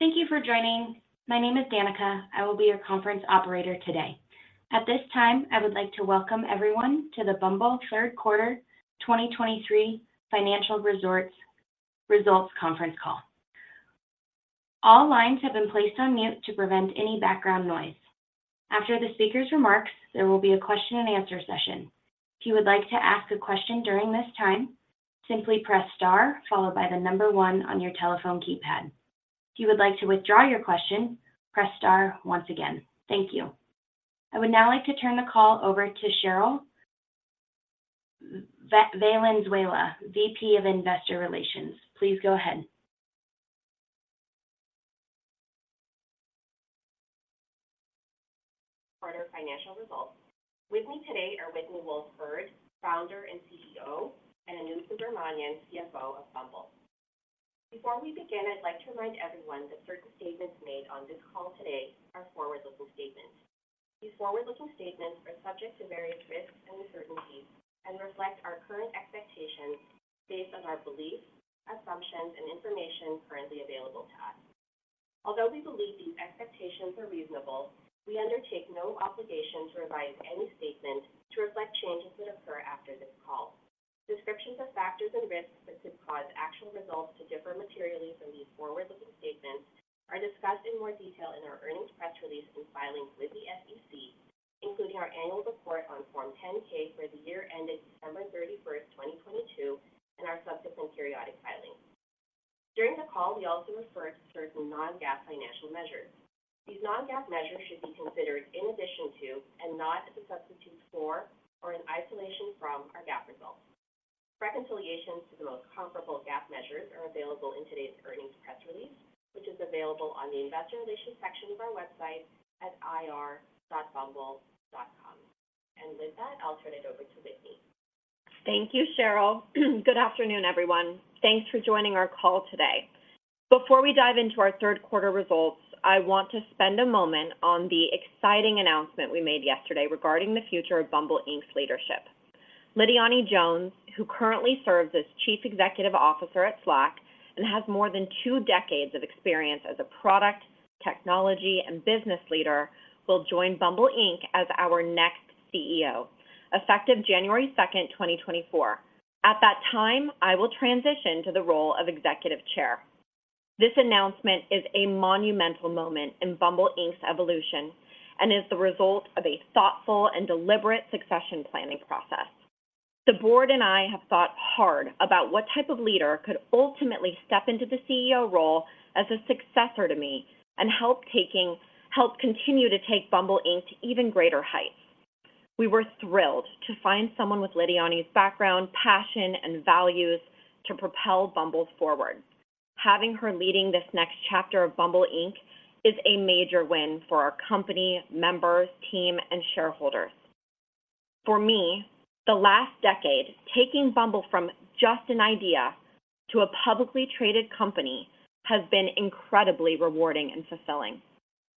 Thank you for joining. My name is Danica. I will be your conference operator today. At this time, I would like to welcome everyone to the Bumble Third Quarter 2023 Financial Results Conference Call. All lines have been placed on mute to prevent any background noise. After the speaker's remarks, there will be a question-and-answer session. If you would like to ask a question during this time, simply press star followed by the number one on your telephone keypad. If you would like to withdraw your question, press star once again. Thank you. I would now like to turn the call over to Cherryl Valenzuela, VP of Investor Relations. Please go ahead. Quarter financial results. With me today are Whitney Wolfe Herd, Founder and CEO, and Anu Subramanian, CFO of Bumble. Before we begin, I'd like to remind everyone that certain statements made on this call today are forward-looking statements. These forward-looking statements are subject to various risks and uncertainties and reflect our current expectations based on our beliefs, assumptions, and information currently available to us. Although we believe these expectations are reasonable, we undertake no obligation to revise any statement to reflect changes that occur after this call. Descriptions of factors and risks that could cause actual results to differ materially from these forward-looking statements are discussed in more detail in our earnings press release and filings with the SEC, including our annual report on Form 10-K for the year ended December 31st, 2022, and our subsequent periodic filings. During the call, we also refer to certain non-GAAP financial measures. These non-GAAP measures should be considered in addition to and not as a substitute for or in isolation from our GAAP results. Reconciliations to the most comparable GAAP measures are available in today's earnings press release, which is available on the Investor Relations section of our website at ir.bumble.com. With that, I'll turn it over to Whitney. Thank you, Cherryl. Good afternoon, everyone. Thanks for joining our call today. Before we dive into our third quarter results, I want to spend a moment on the exciting announcement we made yesterday regarding the future of Bumble Inc.'s leadership. Lidiane Jones, who currently serves as Chief Executive Officer at Slack and has more than two decades of experience as a product, technology, and business leader, will join Bumble Inc. as our next CEO, effective January 2nd, 2024. At that time, I will transition to the role of Executive Chair. This announcement is a monumental moment in Bumble Inc.'s evolution and is the result of a thoughtful and deliberate succession planning process. The board and I have thought hard about what type of leader could ultimately step into the CEO role as a successor to me and help continue to take Bumble Inc. to even greater heights. We were thrilled to find someone with Lidiane's background, passion, and values to propel Bumble forward. Having her leading this next chapter of Bumble Inc. is a major win for our company, members, team, and shareholders. For me, the last decade, taking Bumble from just an idea to a publicly traded company, has been incredibly rewarding and fulfilling.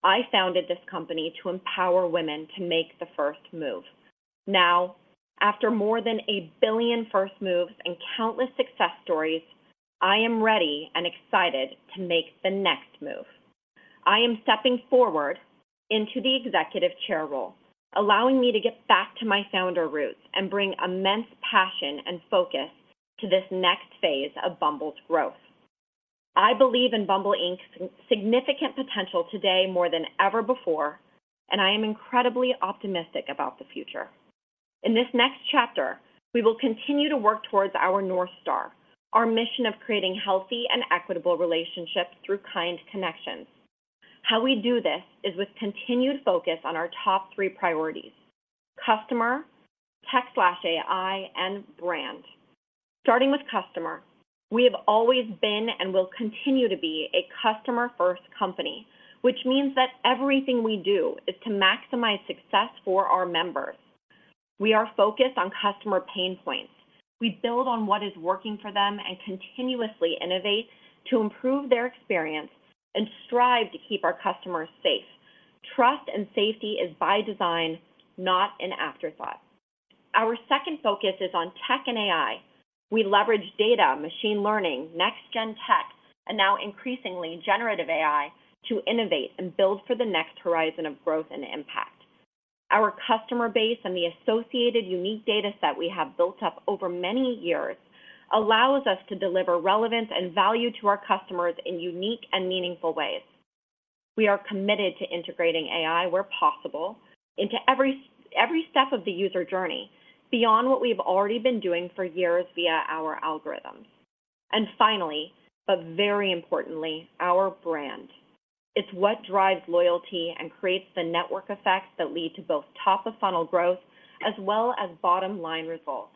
I founded this company to empower women to make the first move. Now, after more than a billion first moves and countless success stories, I am ready and excited to make the next move. I am stepping forward into the executive chair role, allowing me to get back to my founder roots and bring immense passion and focus to this next phase of Bumble's growth. I believe in Bumble Inc.'s significant potential today more than ever before, and I am incredibly optimistic about the future. In this next chapter, we will continue to work towards our North Star, our mission of creating healthy and equitable relationships through kind connections. How we do this is with continued focus on our top three priorities: Customer, Tech/AI, and Brand. Starting with Customer, we have always been and will continue to be a customer-first company, which means that everything we do is to maximize success for our members. We are focused on customer pain points. We build on what is working for them and continuously innovate to improve their experience and strive to keep our customers safe. Trust and safety is by design, not an afterthought. Our second focus is on Tech & AI. We leverage data, machine learning, next-gen tech, and now increasingly generative AI to innovate and build for the next horizon of growth and impact. Our customer base and the associated unique data set we have built up over many years allows us to deliver relevance and value to our customers in unique and meaningful ways. We are committed to integrating AI where possible into every step of the user journey, beyond what we've already been doing for years via our algorithms. And finally, but very importantly, our Brand. It's what drives loyalty and creates the network effects that lead to both top-of-funnel growth as well as bottom-line results.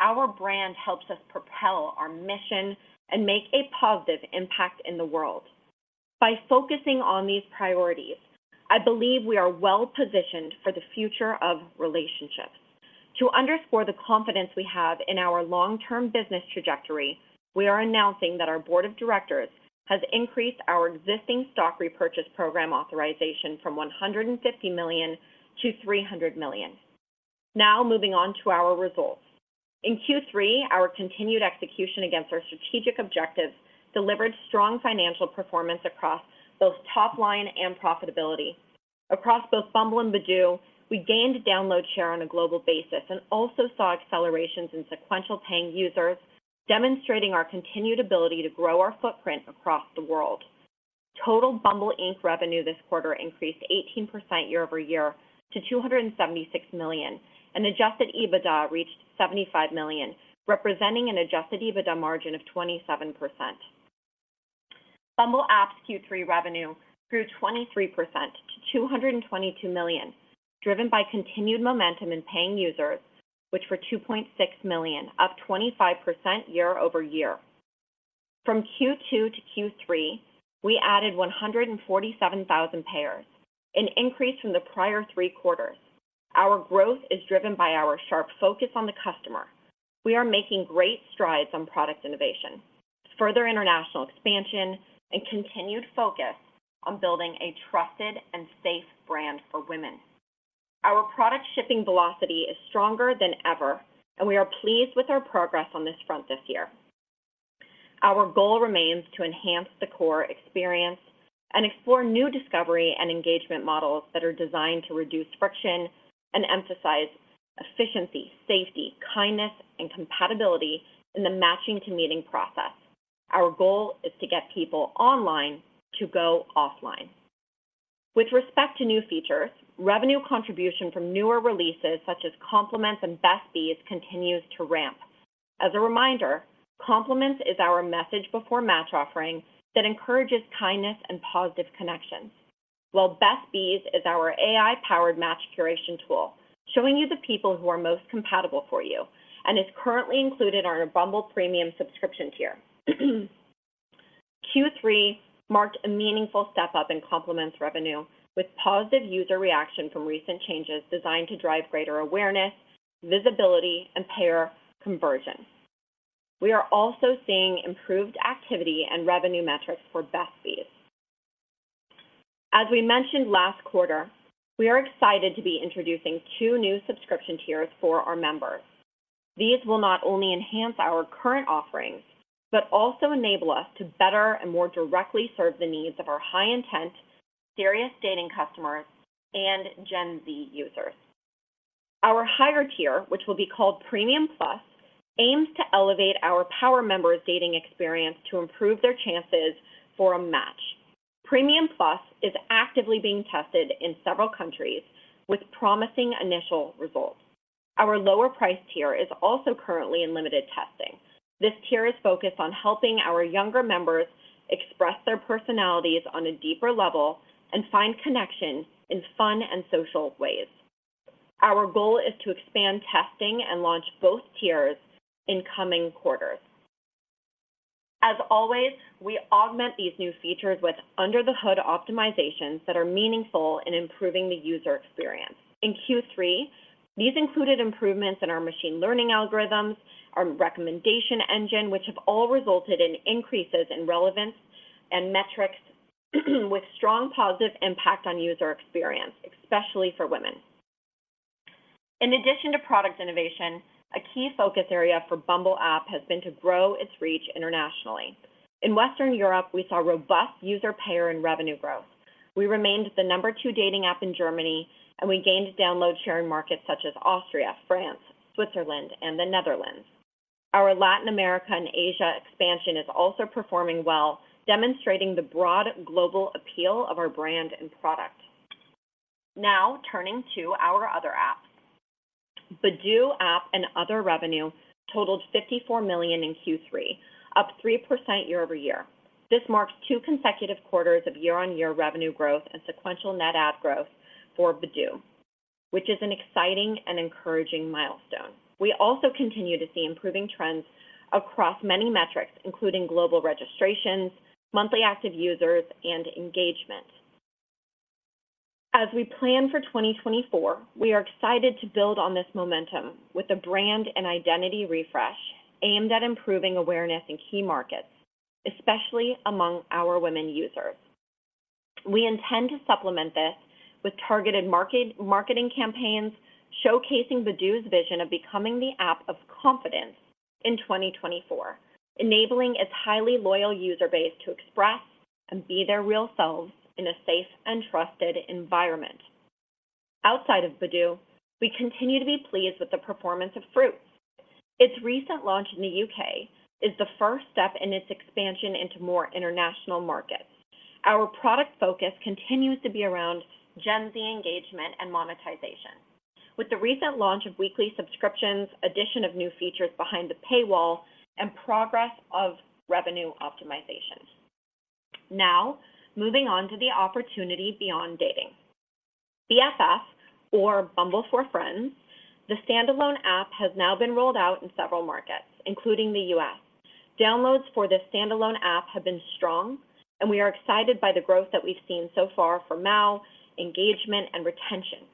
Our brand helps us propel our mission and make a positive impact in the world. By focusing on these priorities, I believe we are well positioned for the future of relationships. To underscore the confidence we have in our long-term business trajectory, we are announcing that our board of directors has increased our existing stock repurchase program authorization from $150 million to $300 million. Now moving on to our results. In Q3, our continued execution against our strategic objectives delivered strong financial performance across both top line and profitability. Across both Bumble and Badoo, we gained download share on a global basis and also saw accelerations in sequential paying users, demonstrating our continued ability to grow our footprint across the world. Total Bumble Inc. revenue this quarter increased 18% year-over-year to $276 million, and Adjusted EBITDA reached $75 million, representing an Adjusted EBITDA margin of 27%. Bumble app's Q3 revenue grew 23% to $222 million, driven by continued momentum in paying users, which were 2.6 million, up 25% year-over-year. From Q2 to Q3, we added 147,000 payers, an increase from the prior three quarters. Our growth is driven by our sharp focus on the customer. We are making great strides on product innovation, further international expansion, and continued focus on building a trusted and safe brand for women. Our product shipping velocity is stronger than ever, and we are pleased with our progress on this front this year. Our goal remains to enhance the core experience and explore new discovery and engagement models that are designed to reduce friction and emphasize efficiency, safety, kindness, and compatibility in the matching to meeting process. Our goal is to get people online to go offline. With respect to new features, revenue contribution from newer releases such as Compliments and Best Bees continues to ramp. As a reminder, Compliments is our message before match offering that encourages kindness and positive connections, while Best Bees is our AI-powered match curation tool, showing you the people who are most compatible for you and is currently included on our Bumble Premium subscription tier. Q3 marked a meaningful step up in Compliments revenue, with positive user reaction from recent changes designed to drive greater awareness, visibility, and payer conversion. We are also seeing improved activity and revenue metrics for Best Bees. As we mentioned last quarter, we are excited to be introducing two new subscription tiers for our members. These will not only enhance our current offerings, but also enable us to better and more directly serve the needs of our high-intent, serious dating customers and Gen Z users. Our higher tier, which will be called Premium+, aims to elevate our power members' dating experience to improve their chances for a match. Premium+ is actively being tested in several countries with promising initial results. Our lower price tier is also currently in limited testing. This tier is focused on helping our younger members express their personalities on a deeper level and find connection in fun and social ways. Our goal is to expand testing and launch both tiers in coming quarters. As always, we augment these new features with under-the-hood optimizations that are meaningful in improving the user experience. In Q3, these included improvements in our machine learning algorithms, our recommendation engine, which have all resulted in increases in relevance and metrics with strong positive impact on user experience, especially for women. In addition to product innovation, a key focus area for the Bumble app has been to grow its reach internationally. In Western Europe, we saw robust user, payer, and revenue growth. We remained the number two dating app in Germany, and we gained download share in markets such as Austria, France, Switzerland, and the Netherlands. Our Latin America and Asia expansion is also performing well, demonstrating the broad global appeal of our brand and product. Now, turning to our other apps. Badoo App and other revenue totaled $54 million in Q3, up 3% year-over-year. This marks 2 consecutive quarters of year-on-year revenue growth and sequential net add growth for Badoo, which is an exciting and encouraging milestone. We also continue to see improving trends across many metrics, including global registrations, monthly active users, and engagement. As we plan for 2024, we are excited to build on this momentum with a brand and identity refresh aimed at improving awareness in key markets, especially among our women users. We intend to supplement this with targeted marketing campaigns showcasing Badoo's vision of becoming the app of confidence in 2024, enabling its highly loyal user base to express and be their real selves in a safe and trusted environment. Outside of Badoo, we continue to be pleased with the performance of Fruitz. Its recent launch in the UK is the first step in its expansion into more international markets. Our product focus continues to be around Gen Z engagement and monetization. With the recent launch of weekly subscriptions, addition of new features behind the paywall, and progress of revenue optimization. Now, moving on to the opportunity beyond dating. BFF, or Bumble For Friends, the standalone app, has now been rolled out in several markets, including the U.S. Downloads for this standalone app have been strong, and we are excited by the growth that we've seen so far for male engagement and retention,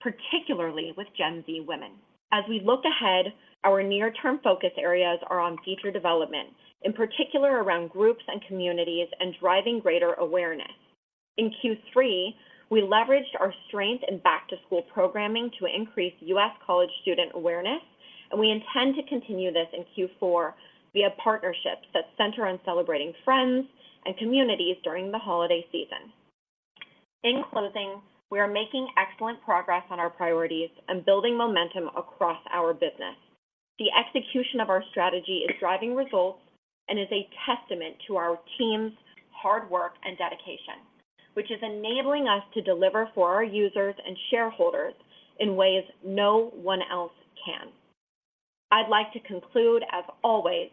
particularly with Gen Z women. As we look ahead, our near-term focus areas are on future development, in particular around groups and communities and driving greater awareness. In Q3, we leveraged our strength in back-to-school programming to increase U.S. college student awareness, and we intend to continue this in Q4 via partnerships that center on celebrating friends and communities during the holiday season. In closing, we are making excellent progress on our priorities and building momentum across our business. The execution of our strategy is driving results and is a testament to our team's hard work and dedication, which is enabling us to deliver for our users and shareholders in ways no one else can. I'd like to conclude, as always,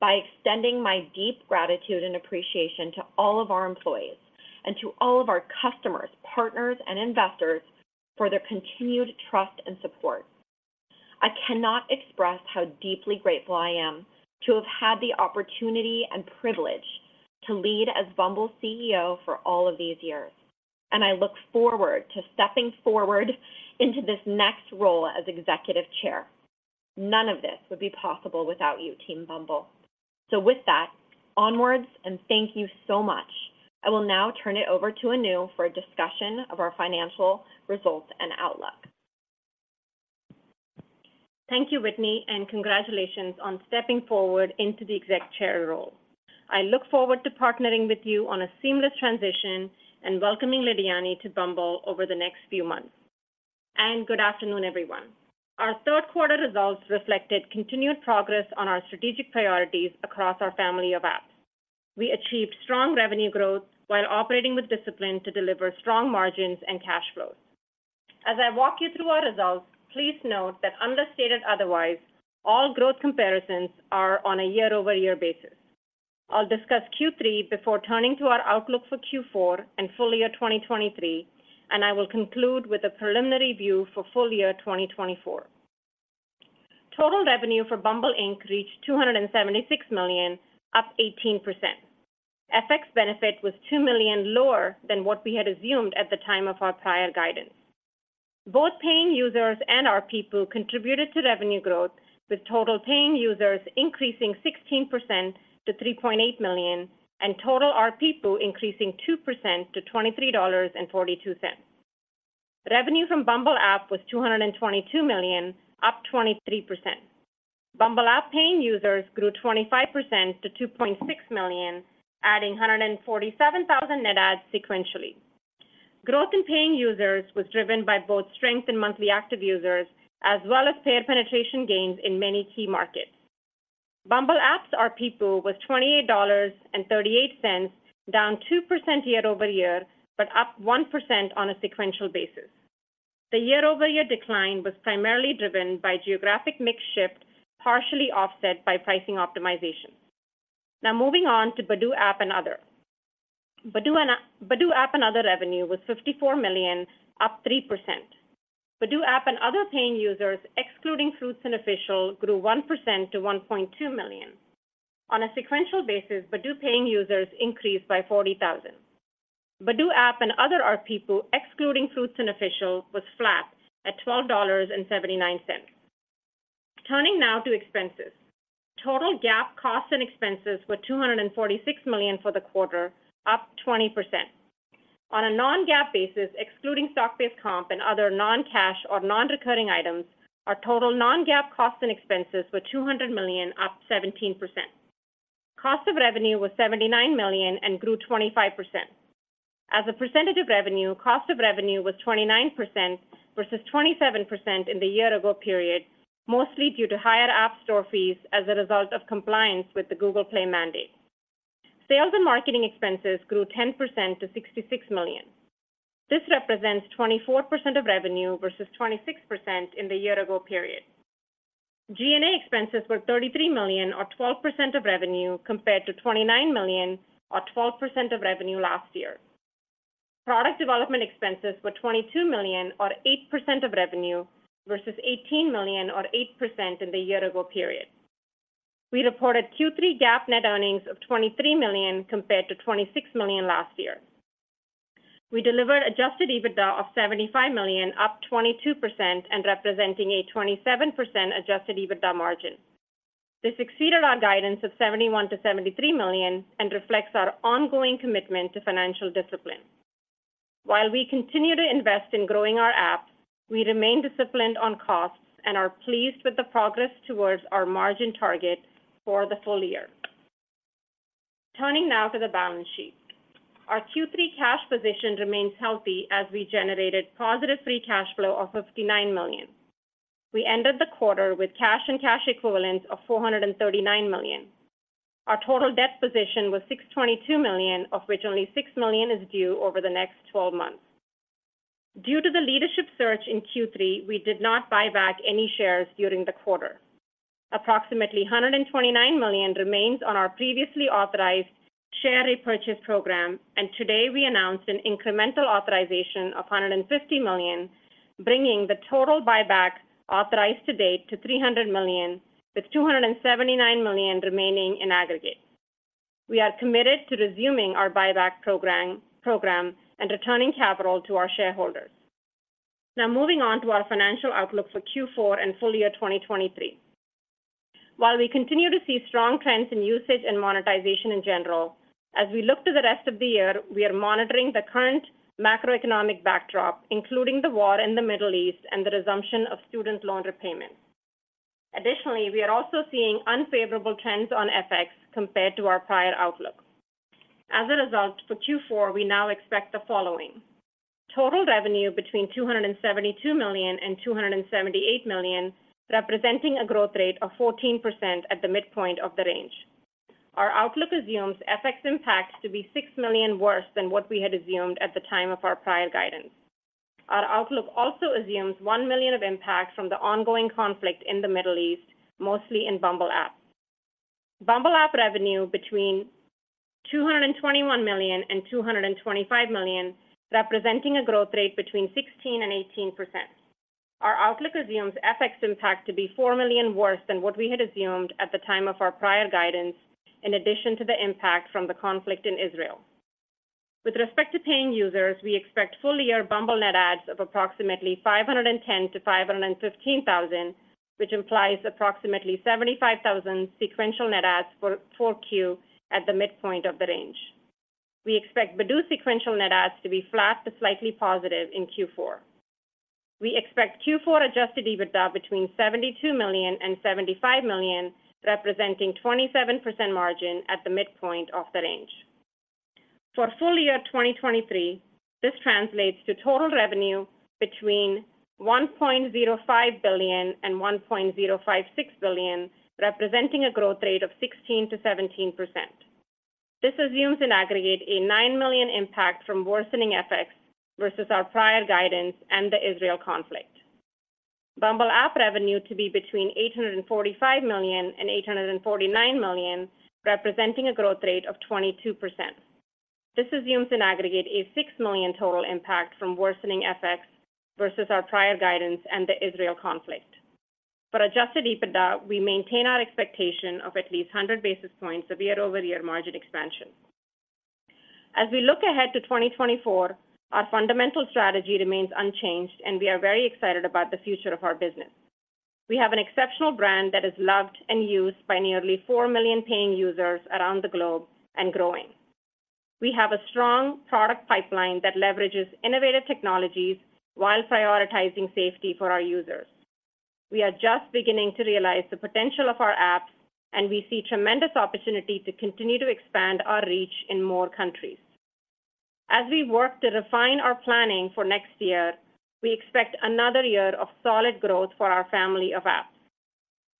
by extending my deep gratitude and appreciation to all of our employees and to all of our customers, partners, and investors for their continued trust and support. I cannot express how deeply grateful I am to have had the opportunity and privilege to lead as Bumble's CEO for all of these years, and I look forward to stepping forward into this next role as Executive Chair. None of this would be possible without you, Team Bumble. So with that, onwards, and thank you so much. I will now turn it over to Anu for a discussion of our financial results and outlook. Thank you, Whitney, and congratulations on stepping forward into the exec chair role. I look forward to partnering with you on a seamless transition and welcoming Lidiane to Bumble over the next few months. Good afternoon, everyone. Our third quarter results reflected continued progress on our strategic priorities across our family of apps. We achieved strong revenue growth while operating with discipline to deliver strong margins and cash flows. As I walk you through our results, please note that unless stated otherwise, all growth comparisons are on a year-over-year basis. I'll discuss Q3 before turning to our outlook for Q4 and full year 2023, and I will conclude with a preliminary view for full year 2024. Total revenue for Bumble Inc. reached $276 million, up 18%. FX benefit was $2 million lower than what we had assumed at the time of our prior guidance. Both paying users and ARPPU contributed to revenue growth, with total paying users increasing 16% to 3.8 million and total ARPPU increasing 2% to $23.42. Revenue from Bumble App was $222 million, up 23%. Bumble App paying users grew 25% to 2.6 million, adding 147,000 net adds sequentially. Growth in paying users was driven by both strength in monthly active users as well as paid penetration gains in many key markets. Bumble App's ARPPU was $28.38, down 2% year-over-year, but up 1% on a sequential basis. The year-over-year decline was primarily driven by geographic mix shift, partially offset by pricing optimization. Now moving on to Badoo App and other. Badoo App and other revenue was $54 million, up 3%. Badoo App and other paying users, excluding Fruitz and Official, grew 1% to 1.2 million. On a sequential basis, Badoo paying users increased by 40,000. Badoo App and other ARPPU, excluding Fruitz and Official, was flat at $12.79. Turning now to expenses. Total GAAP costs and expenses were $246 million for the quarter, up 20%. On a non-GAAP basis, excluding stock-based comp and other non-cash or non-recurring items, our total non-GAAP costs and expenses were $200 million, up 17%. Cost of revenue was $79 million and grew 25%. As a percentage of revenue, cost of revenue was 29% versus 27% in the year ago period, mostly due to higher app store fees as a result of compliance with the Google Play mandate. Sales and marketing expenses grew 10% to $66 million. This represents 24% of revenue versus 26% in the year ago period. G&A expenses were $33 million, or 12% of revenue, compared to $29 million or 12% of revenue last year. Product development expenses were $22 million, or 8% of revenue, versus $18 million or 8% in the year ago period. We reported Q3 GAAP net earnings of $23 million, compared to $26 million last year. We delivered adjusted EBITDA of $75 million, up 22% and representing a 27% adjusted EBITDA margin. This exceeded our guidance of $71 million-$73 million and reflects our ongoing commitment to financial discipline. While we continue to invest in growing our apps, we remain disciplined on costs and are pleased with the progress towards our margin target for the full year. Turning now to the balance sheet. Our Q3 cash position remains healthy as we generated positive free cash flow of $59 million. We ended the quarter with cash and cash equivalents of $439 million. Our total debt position was $622 million, of which only $6 million is due over the next 12 months. Due to the leadership search in Q3, we did not buy back any shares during the quarter. Approximately $129 million remains on our previously authorized share repurchase program, and today we announced an incremental authorization of $150 million, bringing the total buyback authorized to date to $300 million, with $279 million remaining in aggregate. We are committed to resuming our buyback program and returning capital to our shareholders. Now, moving on to our financial outlook for Q4 and full year 2023. While we continue to see strong trends in usage and monetization in general, as we look to the rest of the year, we are monitoring the current macroeconomic backdrop, including the war in the Middle East and the resumption of student loan repayments. Additionally, we are also seeing unfavorable trends on FX compared to our prior outlook. As a result, for Q4, we now expect the following: total revenue between $272 million and $278 million, representing a growth rate of 14% at the midpoint of the range. Our outlook assumes FX impacts to be $6 million worse than what we had assumed at the time of our prior guidance. Our outlook also assumes $1 million of impact from the ongoing conflict in the Middle East, mostly in Bumble app. Bumble app revenue between $221 million and $225 million, representing a growth rate between 16% and 18%. Our outlook assumes FX impact to be $4 million worse than what we had assumed at the time of our prior guidance, in addition to the impact from the conflict in Israel. With respect to paying users, we expect full-year Bumble net adds of approximately 510,000-515,000, which implies approximately 75,000 sequential net adds for Q4 at the midpoint of the range. We expect Badoo sequential net adds to be flat to slightly positive in Q4. We expect Q4 Adjusted EBITDA between $72 million and $75 million, representing 27% margin at the midpoint of the range. For full year 2023, this translates to total revenue between $1.05 billion and $1.056 billion, representing a growth rate of 16%-17%. This assumes, in aggregate, a $9 million impact from worsening FX versus our prior guidance and the Israel conflict. Bumble app revenue to be between $845 million and $849 million, representing a growth rate of 22%. This assumes, in aggregate, a $6 million total impact from worsening FX versus our prior guidance and the Israel conflict. For Adjusted EBITDA, we maintain our expectation of at least 100 basis points of year-over-year margin expansion. As we look ahead to 2024, our fundamental strategy remains unchanged, and we are very excited about the future of our business. We have an exceptional brand that is loved and used by nearly 4 million paying users around the globe and growing. We have a strong product pipeline that leverages innovative technologies while prioritizing safety for our users. We are just beginning to realize the potential of our apps, and we see tremendous opportunity to continue to expand our reach in more countries. As we work to refine our planning for next year, we expect another year of solid growth for our family of apps.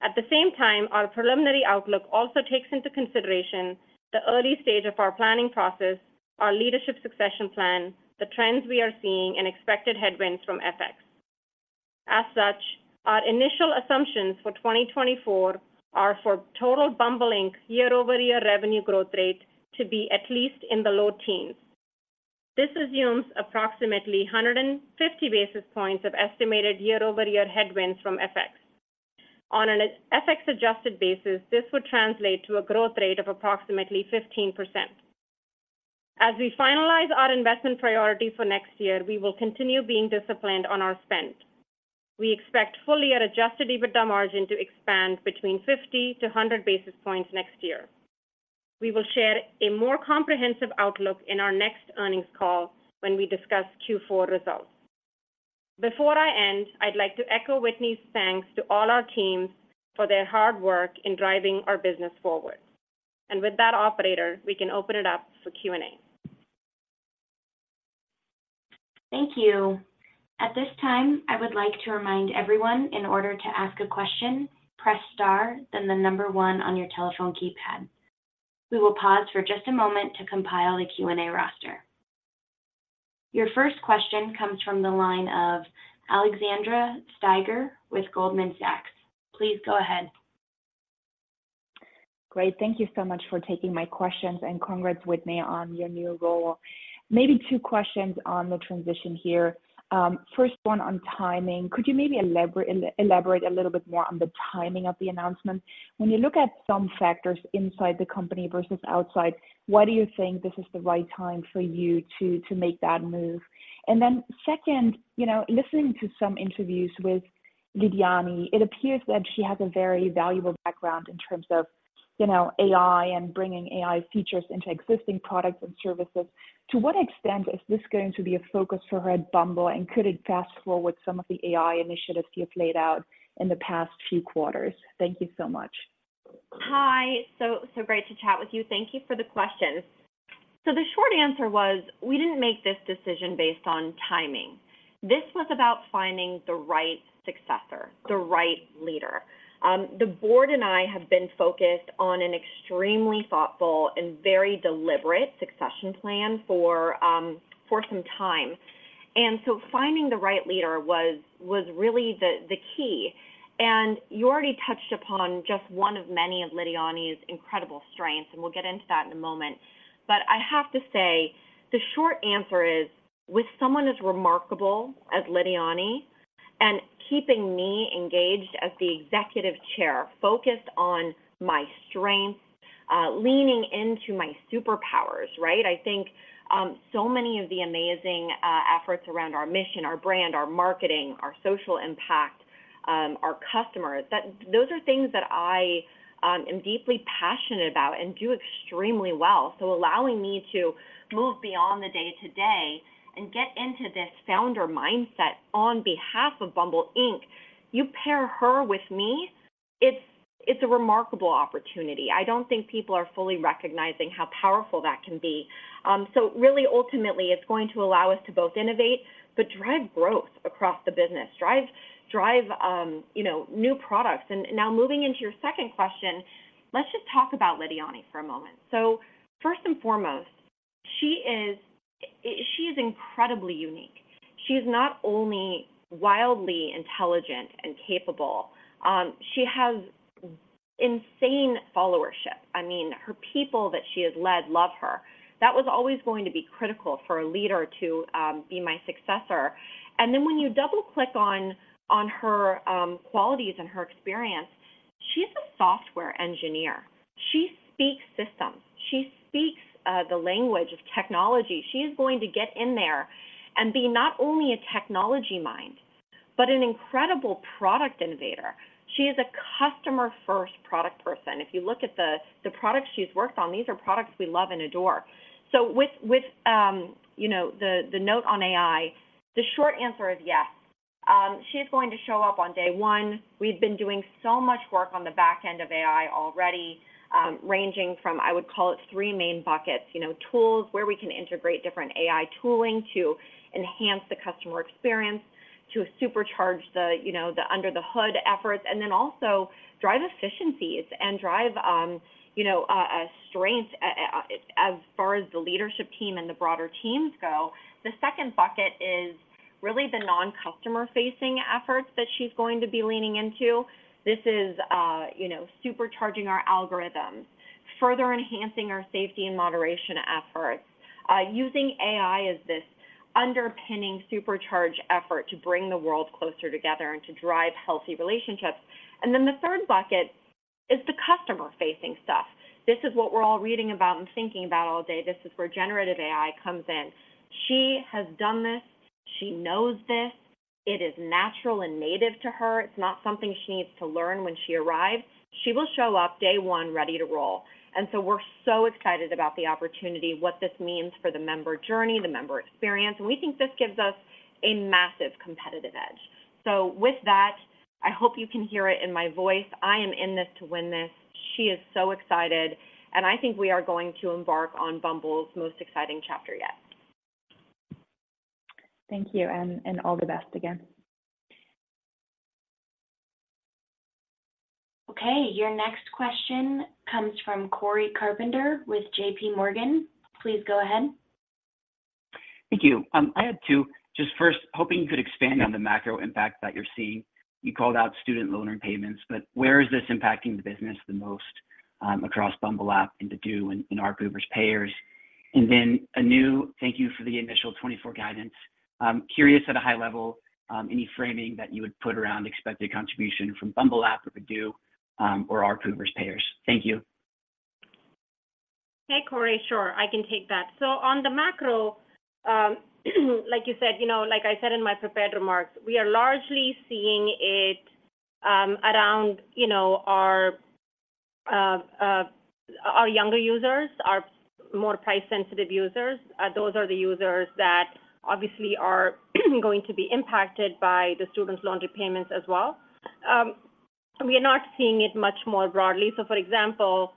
At the same time, our preliminary outlook also takes into consideration the early stage of our planning process, our leadership succession plan, the trends we are seeing, and expected headwinds from FX. As such, our initial assumptions for 2024 are for total Bumble Inc. year-over-year revenue growth rate to be at least in the low teens. This assumes approximately 150 basis points of estimated year-over-year headwinds from FX. On an FX-adjusted basis, this would translate to a growth rate of approximately 15%. As we finalize our investment priorities for next year, we will continue being disciplined on our spend. We expect full-year adjusted EBITDA margin to expand between 50-100 basis points next year. We will share a more comprehensive outlook in our next earnings call when we discuss Q4 results. Before I end, I'd like to echo Whitney's thanks to all our teams for their hard work in driving our business forward. And with that, operator, we can open it up for Q&A. Thank you. At this time, I would like to remind everyone in order to ask a question, press star, then the number one on your telephone keypad. We will pause for just a moment to compile a Q&A roster. Your first question comes from the line of Alexandra Steiger with Goldman Sachs. Please go ahead. Great. Thank you so much for taking my questions, and congrats, Whitney, on your new role. Maybe two questions on the transition here. First one on timing. Could you maybe elaborate a little bit more on the timing of the announcement? When you look at some factors inside the company versus outside, why do you think this is the right time for you to make that move? And then second, you know, listening to some interviews with Lidiane, it appears that she has a very valuable background in terms of, you know, AI and bringing AI features into existing products and services. To what extent is this going to be a focus for her at Bumble, and could it fast-forward some of the AI initiatives you've laid out in the past few quarters? Thank you so much. Hi, so great to chat with you. Thank you for the questions. The short answer was, we didn't make this decision based on timing. This was about finding the right successor, the right leader. The board and I have been focused on an extremely thoughtful and very deliberate succession plan for some time. So finding the right leader was really the key. And you already touched upon just one of many of Lidiane's incredible strengths, and we'll get into that in a moment. But I have to say, the short answer is, with someone as remarkable as Lidiane, and keeping me engaged as the Executive Chair, focused on my strengths leaning into my superpowers, right? I think, so many of the amazing, efforts around our mission, our brand, our marketing, our social impact, our customers, that those are things that I, am deeply passionate about and do extremely well. So allowing me to move beyond the day-to-day and get into this founder mindset on behalf of Bumble Inc., you pair her with me, it's, it's a remarkable opportunity. I don't think people are fully recognizing how powerful that can be. So really, ultimately, it's going to allow us to both innovate, but drive growth across the business, drive, drive, you know, new products. And now, moving into your second question, let's just talk about Lidiane for a moment. So first and foremost, she is, she is incredibly unique. She's not only wildly intelligent and capable, she has insane followership. I mean, her people that she has led love her. That was always going to be critical for a leader to be my successor. And then when you double-click on her qualities and her experience, she's a software engineer. She speaks systems, she speaks the language of technology. She's going to get in there and be not only a technology mind, but an incredible product innovator. She is a customer-first product person. If you look at the products she's worked on, these are products we love and adore. So with you know, the note on AI, the short answer is yes, she's going to show up on day one. We've been doing so much work on the back end of AI already, ranging from, I would call it, three main buckets. You know, tools where we can integrate different AI tooling to enhance the customer experience, to supercharge the, you know, the under-the-hood efforts, and then also drive efficiencies and drive, you know, a strength as far as the leadership team and the broader teams go. The second bucket is really the non-customer-facing efforts that she's going to be leaning into. This is, you know, supercharging our algorithms, further enhancing our safety and moderation efforts, using AI as this underpinning, supercharged effort to bring the world closer together and to drive healthy relationships. And then the third bucket is the customer-facing stuff. This is what we're all reading about and thinking about all day. This is where generative AI comes in. She has done this. She knows this. It is natural and native to her. It's not something she needs to learn when she arrives. She will show up day one, ready to roll. And so we're so excited about the opportunity, what this means for the member journey, the member experience, and we think this gives us a massive competitive edge. So with that, I hope you can hear it in my voice. I am in this to win this. She is so excited, and I think we are going to embark on Bumble's most exciting chapter yet. Thank you, and all the best again. Okay, your next question comes from Cory Carpenter with J.P. Morgan. Please go ahead. Thank you. I had two. Just first, hoping you could expand on the macro impact that you're seeing. You called out student loan repayments, but where is this impacting the business the most, across Bumble app, and Badoo, and ARPU payers? And then Anu, thank you for the initial 2024 guidance. Curious at a high level, any framing that you would put around expected contribution from Bumble app, or Badoo, or ARPU payers. Thank you. Hey, Corey. Sure, I can take that. So on the macro, like you said, you know, like I said in my prepared remarks, we are largely seeing it around, you know, our younger users, our more price-sensitive users. Those are the users that obviously are going to be impacted by the student loan repayments as well. We are not seeing it much more broadly. So, for example,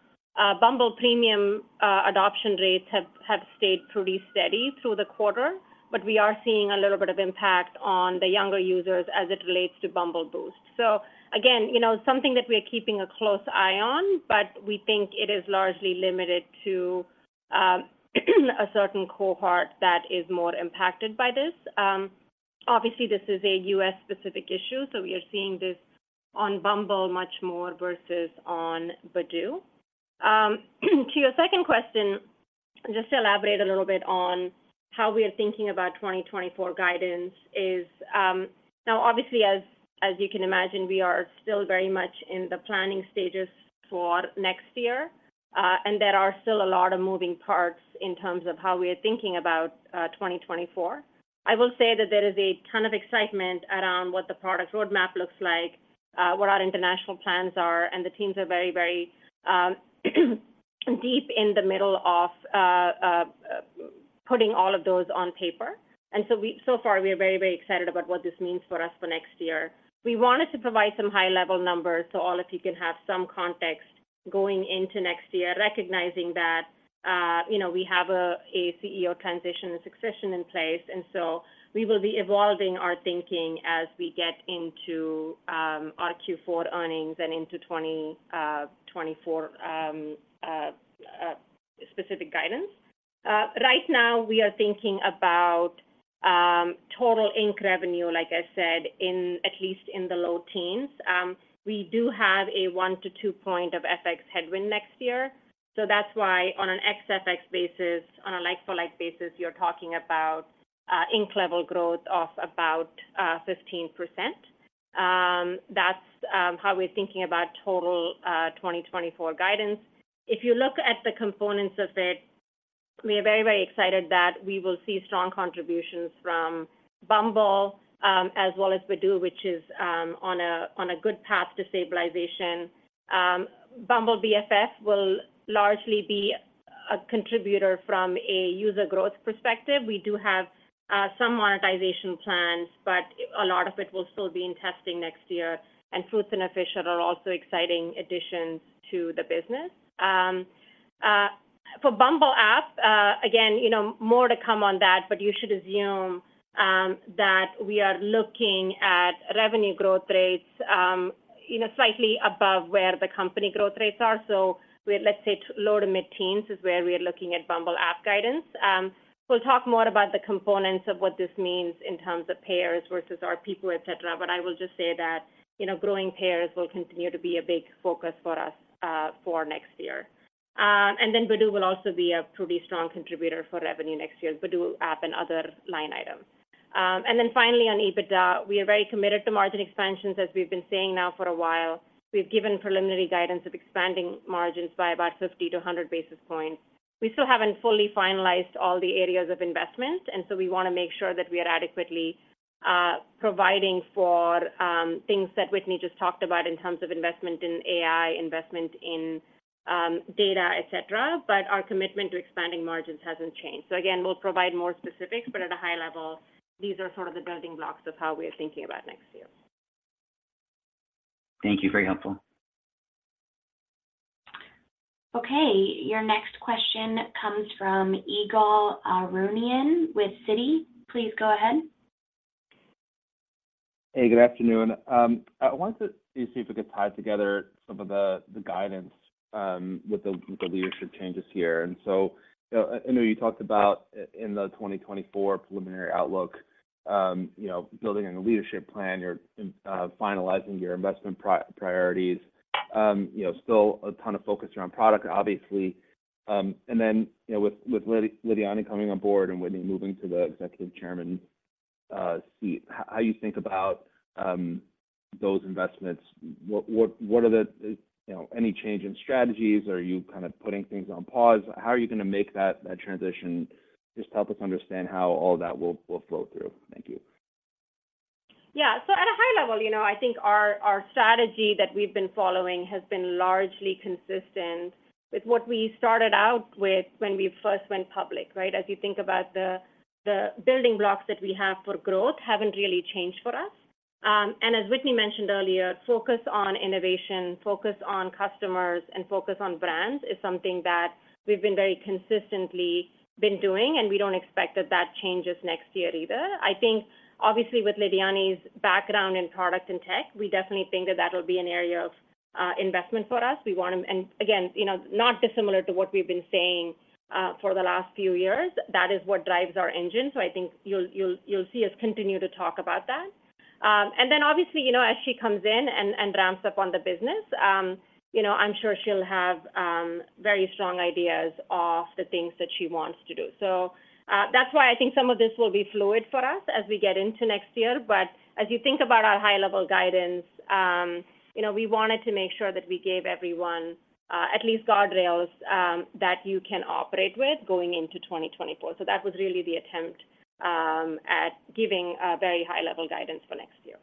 Bumble Premium adoption rates have stayed pretty steady through the quarter, but we are seeing a little bit of impact on the younger users as it relates to Bumble Boost. So again, you know, something that we are keeping a close eye on, but we think it is largely limited to a certain cohort that is more impacted by this. Obviously, this is a US-specific issue, so we are seeing this on Bumble much more versus on Badoo. To your second question, just to elaborate a little bit on how we are thinking about 2024 guidance is, now, obviously, as you can imagine, we are still very much in the planning stages for next year, and there are still a lot of moving parts in terms of how we are thinking about, 2024. I will say that there is a ton of excitement around what the product roadmap looks like, what our international plans are, and the teams are very, very deep in the middle of putting all of those on paper. And so far, we are very, very excited about what this means for us for next year. We wanted to provide some high-level numbers so all of you can have some context going into next year, recognizing that, you know, we have a CEO transition and succession in place, and so we will be evolving our thinking as we get into our Q4 earnings and into 2024 specific guidance. Right now, we are thinking about total Inc. revenue, like I said, in at least in the low teens. We do have a 1-2 point FX headwind next year, so that's why on an ex FX basis, on a like-for-like basis, you're talking about Inc.-level growth of about 15%. That's how we're thinking about total 2024 guidance. If you look at the components of it, we are very, very excited that we will see strong contributions from Bumble, as well as Badoo, which is on a good path to stabilization. Bumble BFF will largely be a contributor from a user growth perspective. We do have some monetization plans, but a lot of it will still be in testing next year, and Fruitz and Official are also exciting additions to the business. For Bumble app, again, you know, more to come on that, but you should assume that we are looking at revenue growth rates, you know, slightly above where the company growth rates are. So we're, let's say, lower to mid-teens is where we are looking at Bumble app guidance. We'll talk more about the components of what this means in terms of payers versus our people, et cetera. But I will just say that, you know, growing payers will continue to be a big focus for us, for next year. And then Badoo will also be a pretty strong contributor for revenue next year, Badoo App and other line items. And then finally, on EBITDA, we are very committed to margin expansions, as we've been saying now for a while. We've given preliminary guidance of expanding margins by about 50-100 basis points. We still haven't fully finalized all the areas of investment, and so we want to make sure that we are adequately providing for things that Whitney just talked about in terms of investment in AI, investment in data, et cetera, but our commitment to expanding margins hasn't changed. So again, we'll provide more specifics, but at a high level, these are sort of the building blocks of how we're thinking about next year. Thank you. Very helpful. Okay, your next question comes from Ygal Arounian with Citi. Please go ahead. Hey, good afternoon. I wanted to see if we could tie together some of the guidance with the leadership changes here. And so, I know you talked about in the 2024 preliminary outlook, you know, building a leadership plan, you're finalizing your investment priorities. You know, still a ton of focus around product, obviously. And then, you know, with Lidiane coming on board and Whitney moving to the executive chair seat, how you think about those investments? What are the, you know, any change in strategies? Are you kind of putting things on pause? How are you going to make that transition? Just help us understand how all that will flow through. Thank you. Yeah. So at a high level, you know, I think our strategy that we've been following has been largely consistent with what we started out with when we first went public, right? As you think about the building blocks that we have for growth haven't really changed for us. And as Whitney mentioned earlier, focus on innovation, focus on customers, and focus on brands is something that we've very consistently been doing, and we don't expect that changes next year either. I think obviously with Lidiane's background in product and tech, we definitely think that will be an area of investment for us. We want to—and again, you know, not dissimilar to what we've been saying for the last few years, that is what drives our engine. So I think you'll see us continue to talk about that. And then obviously, you know, as she comes in and ramps up on the business, you know, I'm sure she'll have very strong ideas of the things that she wants to do. So, that's why I think some of this will be fluid for us as we get into next year. But as you think about our high-level guidance, you know, we wanted to make sure that we gave everyone at least guardrails that you can operate with going into 2024. So that was really the attempt at giving a very high-level guidance for next year.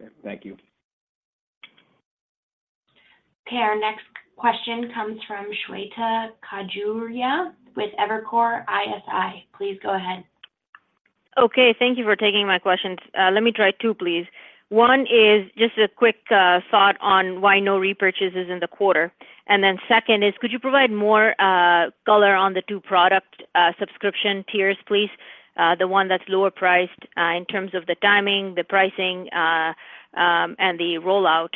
Okay. Thank you. Okay, our next question comes from Shweta Khajuria with Evercore ISI. Please go ahead. Okay, thank you for taking my questions. Let me try two, please. One is just a quick thought on why no repurchases in the quarter, and then second is, could you provide more color on the two product subscription tiers, please? The one that's lower priced in terms of the timing, the pricing, and the rollout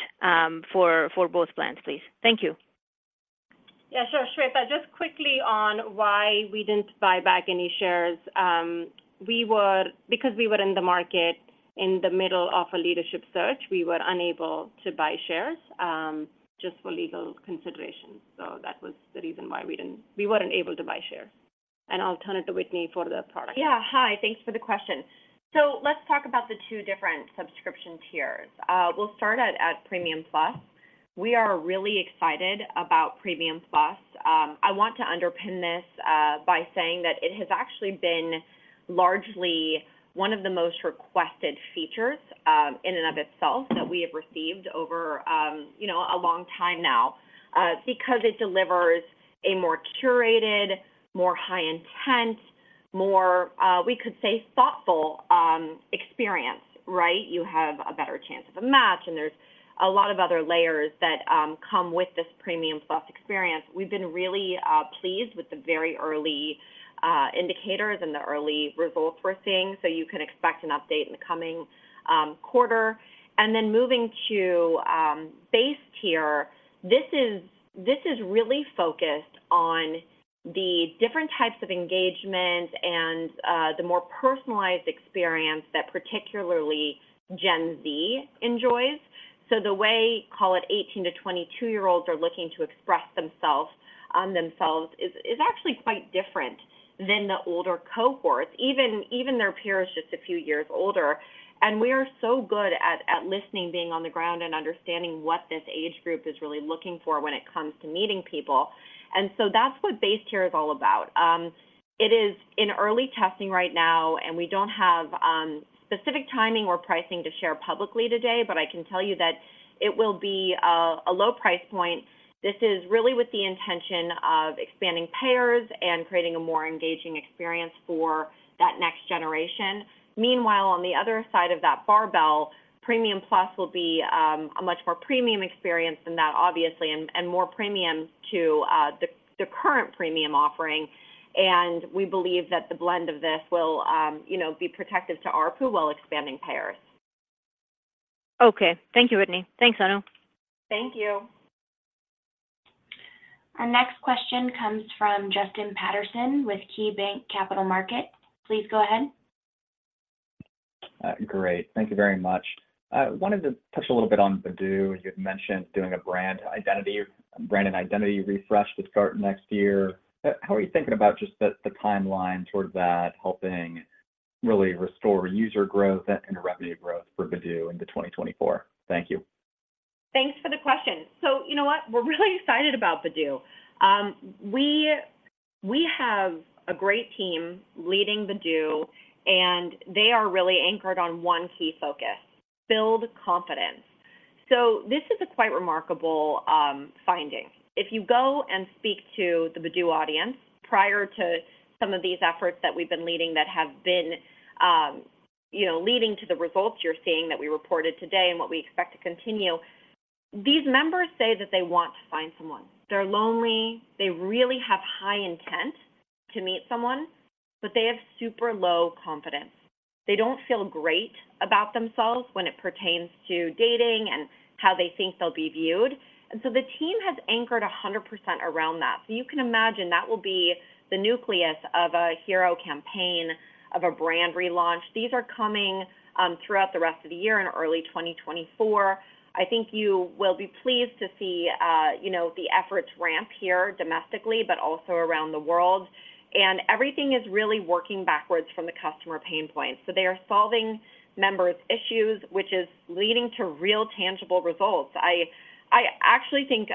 for both plans, please. Thank you. Yeah, sure, Shweta. Just quickly on why we didn't buy back any shares. Because we were in the market in the middle of a leadership search, we were unable to buy shares, just for legal considerations. So that was the reason why we weren't able to buy shares. And I'll turn it to Whitney for the product. Yeah. Hi, thanks for the question. So let's talk about the two different subscription tiers. We'll start at Premium+. We are really excited about Premium+. I want to underpin this by saying that it has actually been largely one of the most requested features, in and of itself, that we have received over, you know, a long time now. Because it delivers a more curated, more high intent, more, we could say, thoughtful, experience, right? You have a better chance of a match, and there's a lot of other layers that come with this Premium+ experience. We've been really pleased with the very early indicators and the early results we're seeing. So you can expect an update in the coming quarter. And then moving to Base Tier, this is really focused on the different types of engagement and the more personalized experience that particularly Gen Z enjoys... So the way, call it 18- to 22-year-olds are looking to express themselves is actually quite different than the older cohorts, even their peers just a few years older. And we are so good at listening, being on the ground, and understanding what this age group is really looking for when it comes to meeting people. And so that's what Base Tier is all about. It is in early testing right now, and we don't have specific timing or pricing to share publicly today, but I can tell you that it will be a low price point. This is really with the intention of expanding payers and creating a more engaging experience for that next generation. Meanwhile, on the other side of that barbell, Premium+ will be a much more premium experience than that, obviously, and more premium to the current premium offering. And we believe that the blend of this will, you know, be protective to ARPU while expanding payers. Okay. Thank you, Whitney. Thanks, Anu. Thank you. Our next question comes from Justin Patterson with KeyBanc Capital Markets. Please go ahead. Great. Thank you very much. I wanted to touch a little bit on Badoo. You had mentioned doing a brand identity, brand and identity refresh to start next year. How are you thinking about just the, the timeline toward that, helping really restore user growth and revenue growth for Badoo into 2024? Thank you. Thanks for the question. So you know what? We're really excited about Badoo. We have a great team leading Badoo, and they are really anchored on one key focus: build confidence. So this is a quite remarkable finding. If you go and speak to the Badoo audience, prior to some of these efforts that we've been leading that have been, you know, leading to the results you're seeing that we reported today and what we expect to continue, these members say that they want to find someone. They're lonely. They really have high intent to meet someone, but they have super low confidence. They don't feel great about themselves when it pertains to dating and how they think they'll be viewed. And so the team has anchored 100% around that. So you can imagine that will be the nucleus of a hero campaign of a brand relaunch. These are coming throughout the rest of the year and early 2024. I think you will be pleased to see, you know, the efforts ramp here domestically, but also around the world. And everything is really working backwards from the customer pain points. So they are solving members' issues, which is leading to real, tangible results. I actually think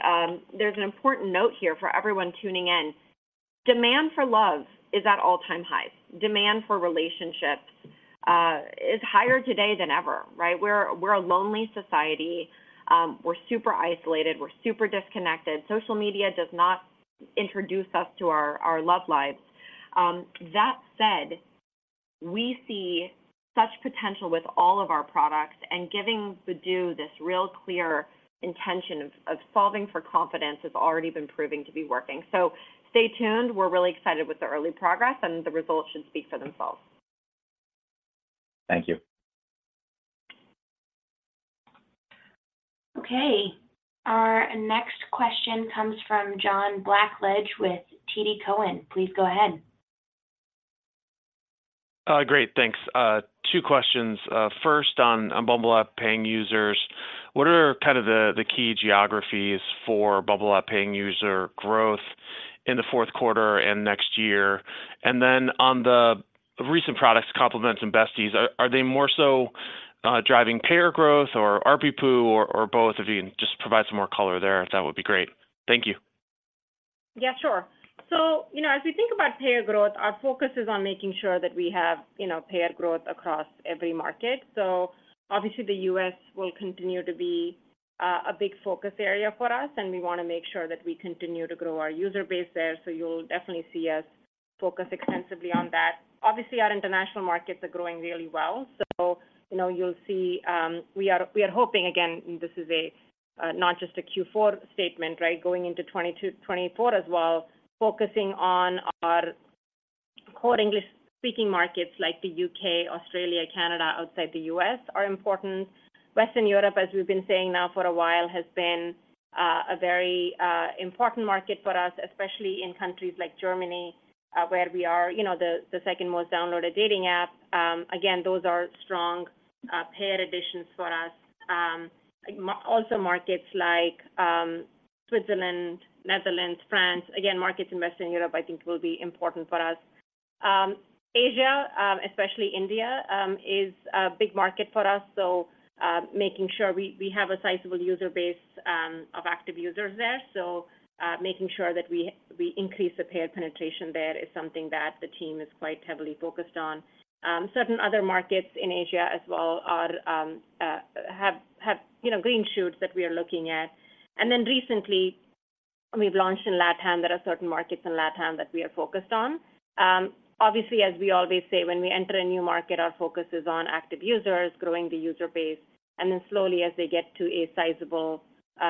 there's an important note here for everyone tuning in. Demand for love is at an all-time high. Demand for relationships is higher today than ever, right? We're a lonely society. We're super isolated, we're super disconnected. Social media does not introduce us to our love lives. That said, we see such potential with all of our products, and giving Badoo this real clear intention of solving for confidence has already been proving to be working. So stay tuned. We're really excited with the early progress, and the results should speak for themselves. Thank you. Okay. Our next question comes from John Blackledge with TD Cowen. Please go ahead. Great, thanks. Two questions, first on Bumble app paying users. What are kind of the key geographies for Bumble app paying user growth in the fourth quarter and next year? And then on the recent products, Compliments and Best Bees, are they more so driving payer growth or ARPPU or both? If you can just provide some more color there, that would be great. Thank you. Yeah, sure. So, you know, as we think about payer growth, our focus is on making sure that we have, you know, payer growth across every market. So obviously, the U.S. will continue to be a big focus area for us, and we want to make sure that we continue to grow our user base there. So you'll definitely see us focus extensively on that. Obviously, our international markets are growing really well. So, you know, you'll see we are hoping, again, this is a not just a Q4 statement, right? Going into 2022-2024 as well, focusing on our core English-speaking markets like the U.K., Australia, Canada, outside the U.S., are important. Western Europe, as we've been saying now for a while, has been a very important market for us, especially in countries like Germany, where we are, you know, the second most downloaded dating app. Again, those are strong paid additions for us. Also markets like Switzerland, Netherlands, France. Again, markets in Western Europe, I think, will be important for us. Asia, especially India, is a big market for us, so making sure we have a sizable user base of active users there. So making sure that we increase the paid penetration there is something that the team is quite heavily focused on. Certain other markets in Asia as well are, you know, have green shoots that we are looking at. And then recently, we've launched in Latam. There are certain markets in LatAm that we are focused on. Obviously, as we always say, when we enter a new market, our focus is on active users, growing the user base, and then slowly, as they get to a sizable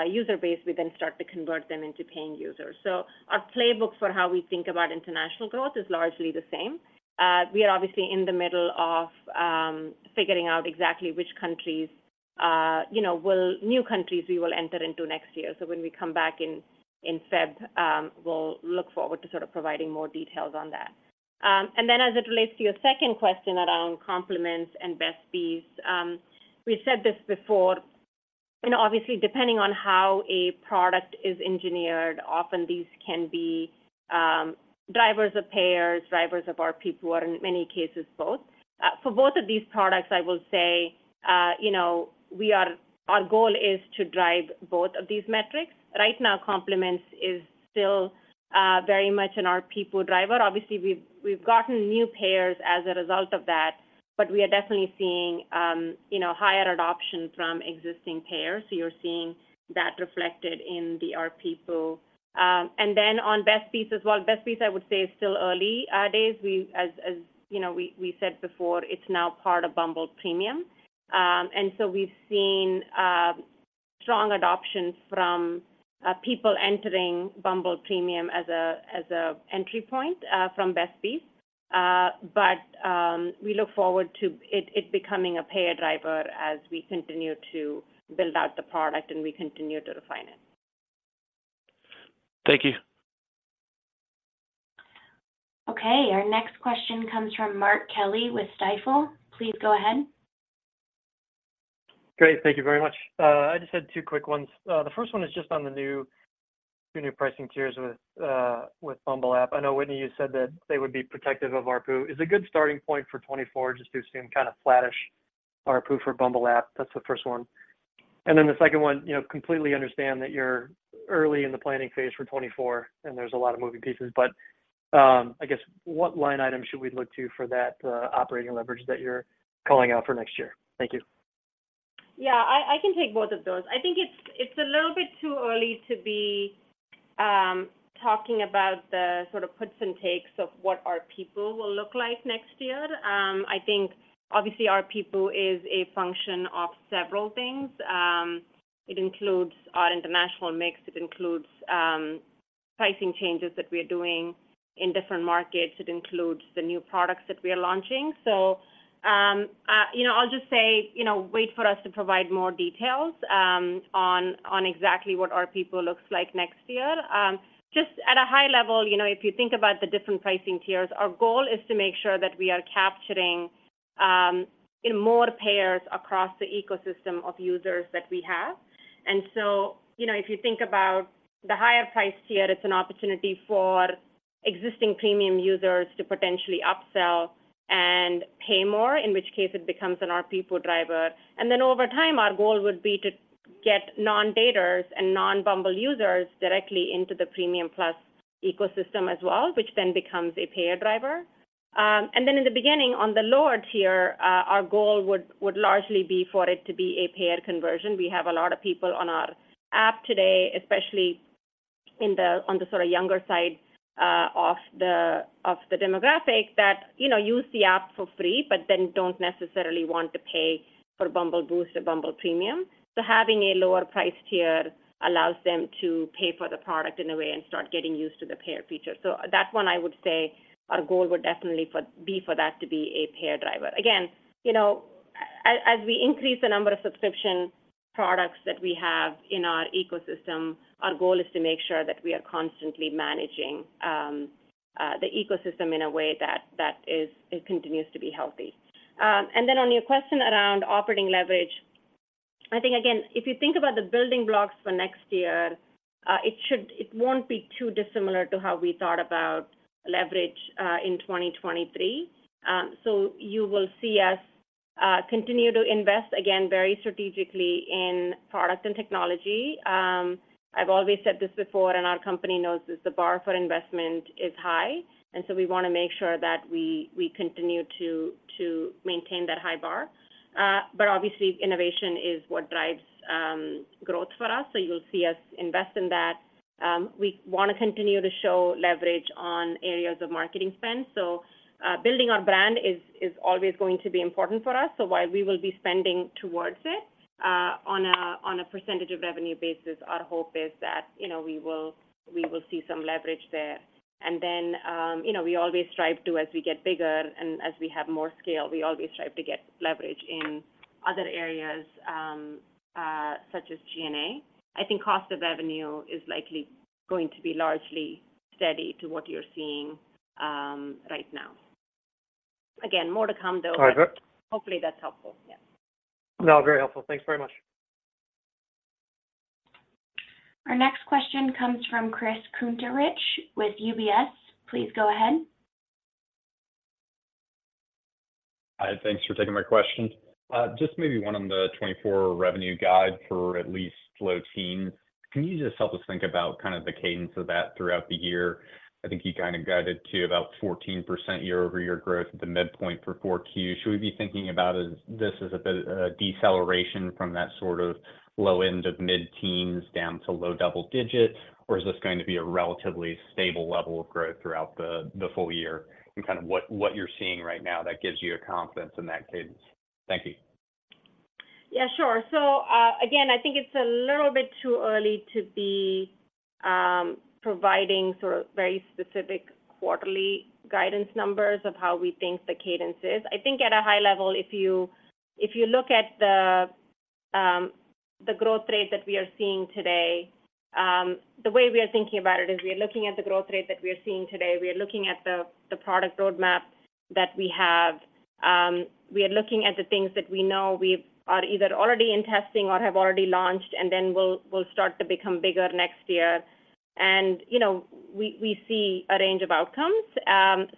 user base, we then start to convert them into paying users. So our playbook for how we think about international growth is largely the same. We are obviously in the middle of figuring out exactly which new countries we will enter into next year. So when we come back in February, we'll look forward to sort of providing more details on that. And then as it relates to your second question around Compliments and Best Bees, we've said this before, and obviously, depending on how a product is engineered, often these can be drivers of payers, drivers of ARPPU, or in many cases, both. For both of these products, I will say, you know, we are, our goal is to drive both of these metrics. Right now, Compliments is still very much in our ARPPU driver. Obviously, we've gotten new payers as a result of that, but we are definitely seeing, you know, higher adoption from existing payers. So you're seeing that reflected in the ARPPU. And then on Best Bees as well. Best Bees, I would say, is still early days. We, as you know, we said before, it's now part of Bumble Premium. And so we've seen strong adoption from people entering Bumble Premium as an entry point from Best Bees. But we look forward to it becoming a payer driver as we continue to build out the product and we continue to refine it. Thank you. Okay, our next question comes from Mark Kelley with Stifel. Please go ahead. Great. Thank you very much. I just had two quick ones. The first one is just on the new two new pricing tiers with, with Bumble app. I know, Whitney, you said that they would be protective of ARPU. Is a good starting point for 2024, just to assume kind of flattish ARPU for Bumble app? That's the first one. And then the second one, you know, completely understand that you're early in the planning phase for 2024, and there's a lot of moving pieces, but, I guess what line item should we look to for that, operating leverage that you're calling out for next year? Thank you. Yeah, I can take both of those. I think it's a little bit too early to be talking about the sort of puts and takes of what our ARPPU will look like next year. I think obviously, our ARPPU is a function of several things. It includes our international mix, it includes pricing changes that we are doing in different markets. It includes the new products that we are launching. So, you know, I'll just say, you know, wait for us to provide more details on exactly what our ARPPU looks like next year. Just at a high level, you know, if you think about the different pricing tiers, our goal is to make sure that we are capturing in more payers across the ecosystem of users that we have. So, you know, if you think about the higher price tier, it's an opportunity for existing premium users to potentially upsell and pay more, in which case it becomes an ARPPU driver. Then over time, our goal would be to get non-daters and non-Bumble users directly into the Premium+ ecosystem as well, which then becomes a payer driver. In the beginning, on the lower tier, our goal would largely be for it to be a payer conversion. We have a lot of people on our app today, especially on the sort of younger side of the demographic that, you know, use the app for free, but then don't necessarily want to pay for Bumble Boost or Bumble Premium. So having a lower price tier allows them to pay for the product in a way and start getting used to the payer feature. So that one, I would say our goal would definitely be for that to be a payer driver. Again, you know, as we increase the number of subscription products that we have in our ecosystem, our goal is to make sure that we are constantly managing the ecosystem in a way that it continues to be healthy. And then on your question around operating leverage, I think, again, if you think about the building blocks for next year, it won't be too dissimilar to how we thought about leverage in 2023. So you will see us continue to invest, again, very strategically in product and technology. I've always said this before, and our company knows this, the bar for investment is high, and so we want to make sure that we, we continue to, to maintain that high bar. But obviously, innovation is what drives growth for us, so you will see us invest in that. We want to continue to show leverage on areas of marketing spend. So, building our brand is, is always going to be important for us. So while we will be spending towards it, on a, on a percentage of revenue basis, our hope is that, you know, we will, we will see some leverage there. And then, you know, we always strive to, as we get bigger and as we have more scale, we always strive to get leverage in other areas, such as G&A. I think cost of revenue is likely going to be largely steady to what you're seeing, right now. Again, more to come, though. All right. But hopefully, that's helpful. Yeah. No, very helpful. Thanks very much. Our next question comes from Chris Kuntarich with UBS. Please go ahead. Hi, thanks for taking my question. Just maybe one on the 2024 revenue guide for at least low teens. Can you just help us think about kind of the cadence of that throughout the year? I think you kind of guided to about 14% year-over-year growth at the midpoint for 4Q. Should we be thinking about this as a bit of deceleration from that sort of low end of mid-teens down to low double digit? Or is this going to be a relatively stable level of growth throughout the, the full year, and kind of what, what you're seeing right now that gives you your confidence in that cadence? Thank you. Yeah, sure. So, again, I think it's a little bit too early to be providing sort of very specific quarterly guidance numbers of how we think the cadence is. I think at a high level, if you look at the growth rate that we are seeing today, the way we are thinking about it is we are looking at the growth rate that we are seeing today. We are looking at the product roadmap that we have. We are looking at the things that we know we are either already in testing or have already launched, and then will start to become bigger next year. And, you know, we see a range of outcomes.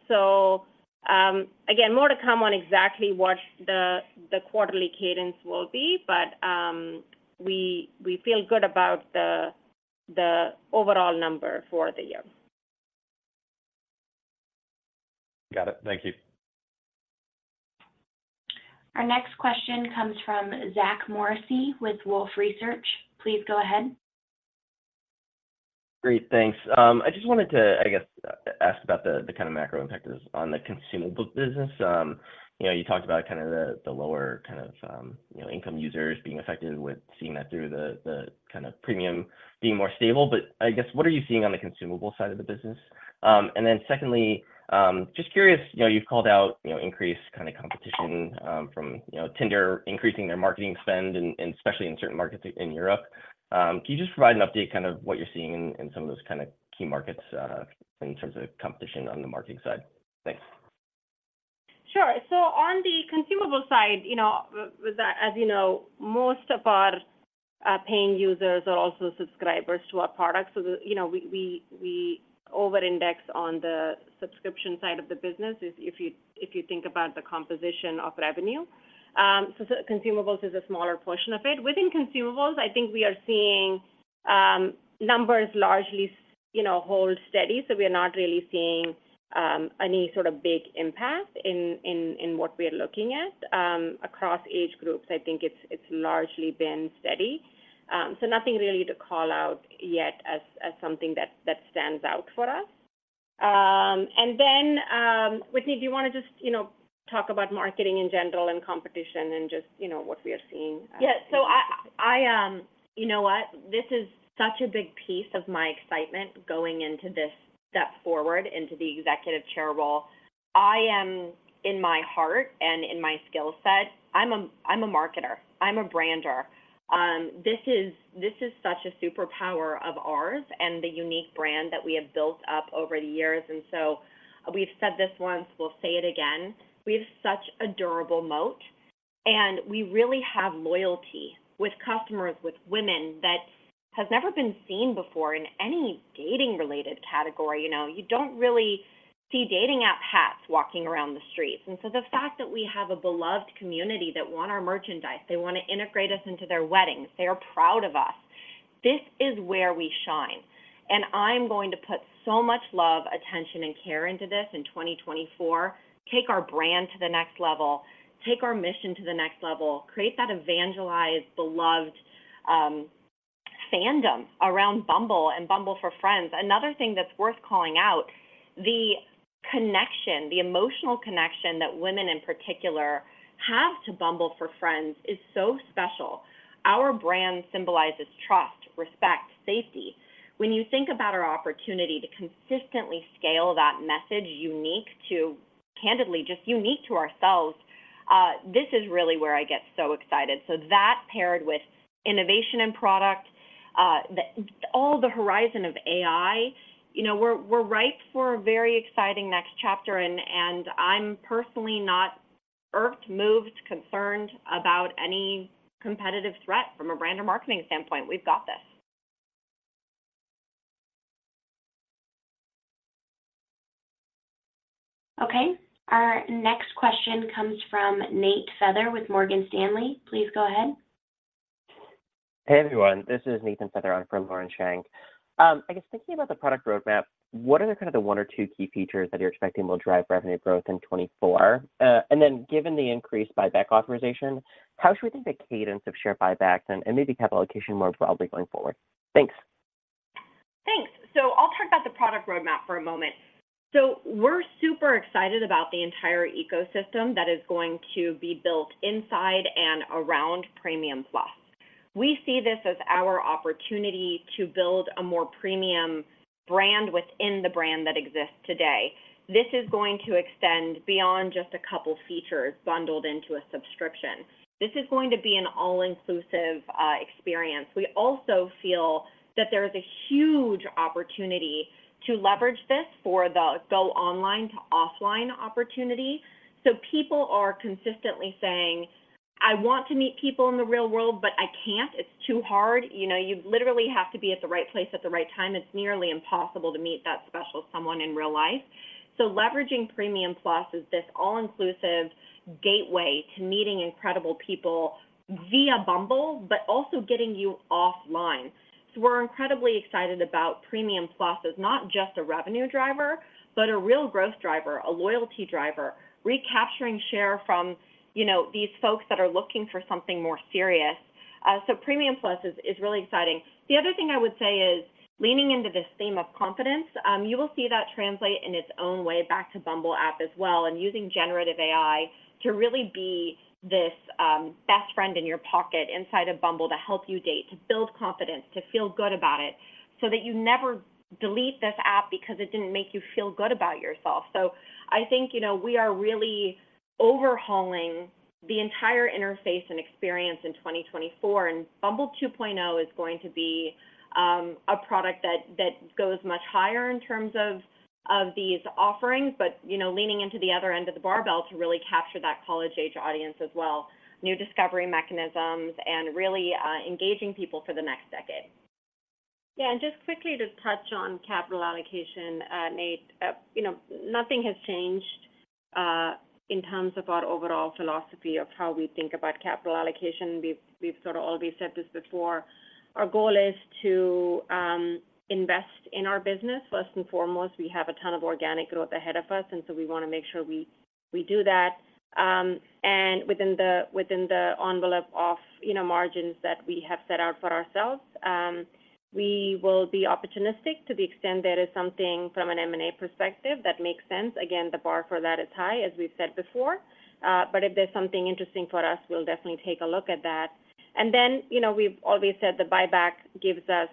So, again, more to come on exactly what the quarterly cadence will be, but we feel good about the overall number for the year. Got it. Thank you. Our next question comes from Zach Morrissey with Wolfe Research. Please go ahead. Great, thanks. I just wanted to, I guess, ask about the, the kind of macro impact on the consumable business. You know, you talked about kind of the, the lower kind of, you know, income users being affected with seeing that through the, the kind of premium being more stable. But I guess, what are you seeing on the consumable side of the business? And then secondly, just curious, you know, you've called out, you know, increased kind of competition, from, you know, Tinder increasing their marketing spend, and especially in certain markets in Europe. Can you just provide an update, kind of what you're seeing in, in some of those kind of key markets, in terms of competition on the marketing side? Thanks. Sure. So on the consumable side, you know, as you know, most of our paying users are also subscribers to our product. So, you know, we overindex on the subscription side of the business, if you think about the composition of revenue. So consumables is a smaller portion of it. Within consumables, I think we are seeing numbers largely, you know, hold steady, so we are not really seeing any sort of big impact in what we are looking at. Across age groups, I think it's largely been steady. So nothing really to call out yet as something that stands out for us. And then, Whitney, do you want to just, you know, talk about marketing in general and competition and just, you know, what we are seeing? Yeah. So I, you know what? This is such a big piece of my excitement going into this step forward into the Executive Chair role. I am, in my heart and in my skill set, I'm a marketer, I'm a brander. This is, this is such a superpower of ours and the unique brand that we have built up over the years. And so we've said this once, we'll say it again: we have such a durable moat, and we really have loyalty with customers, with women, that has never been seen before in any dating-related category. You know, you don't really see dating app hats walking around the streets. And so the fact that we have a beloved community that want our merchandise, they want to integrate us into their weddings, they are proud of us, this is where we shine. I'm going to put so much love, attention, and care into this in 2024, take our brand to the next level, take our mission to the next level, create that evangelized, beloved fandom around Bumble and Bumble for Friends. Another thing that's worth calling out, the connection, the emotional connection that women, in particular, have to Bumble for Friends is so special. Our brand symbolizes trust, respect, safety. When you think about our opportunity to consistently scale that message unique to candidly, just unique to ourselves, this is really where I get so excited. So that paired with innovation and product, all the horizon of AI, you know, we're, we're ripe for a very exciting next chapter, and, and I'm personally not irked, moved, concerned about any competitive threat from a brand or marketing standpoint. We've got this. Okay. Our next question comes from Nate Feather with Morgan Stanley. Please go ahead. Hey, everyone, this is Nathan Feather from Morgan Stanley. I guess thinking about the product roadmap, what are the kind of the one or two key features that you're expecting will drive revenue growth in 2024? And then given the increased buyback authorization, how should we think the cadence of share buybacks and maybe capital allocation more broadly going forward? Thanks. Thanks. I'll talk about the product roadmap for a moment. We're super excited about the entire ecosystem that is going to be built inside and around Premium+. We see this as our opportunity to build a more premium brand within the brand that exists today. This is going to extend beyond just a couple features bundled into a subscription. This is going to be an all-inclusive experience. We also feel that there is a huge opportunity to leverage this for the go online to offline opportunity. People are consistently saying, "I want to meet people in the real world, but I can't. It's too hard. You know, you literally have to be at the right place at the right time. It's nearly impossible to meet that special someone in real life." So leveraging Premium+ is this all-inclusive gateway to meeting incredible people via Bumble, but also getting you offline. So we're incredibly excited about Premium+ as not just a revenue driver, but a real growth driver, a loyalty driver, recapturing share from, you know, these folks that are looking for something more serious. So Premium+ is really exciting. The other thing I would say is, leaning into this theme of confidence, you will see that translate in its own way back to Bumble app as well, and using generative AI to really be this best friend in your pocket inside of Bumble to help you date, to build confidence, to feel good about it, so that you never delete this app because it didn't make you feel good about yourself. So I think, you know, we are really overhauling the entire interface and experience in 2024, and Bumble 2.0 is going to be a product that, that goes much higher in terms of these offerings, but, you know, leaning into the other end of the barbell to really capture that college-age audience as well, new discovery mechanisms and really engaging people for the next decade. Yeah, and just quickly to touch on capital allocation, Nate. You know, nothing has changed in terms of our overall philosophy of how we think about capital allocation. We've sort of already said this before. Our goal is to invest in our business. First and foremost, we have a ton of organic growth ahead of us, and so we want to make sure we do that, and within the envelope of, you know, margins that we have set out for ourselves. We will be opportunistic to the extent there is something from an M&A perspective that makes sense. Again, the bar for that is high, as we've said before, but if there's something interesting for us, we'll definitely take a look at that. you know, we've always said the buyback gives us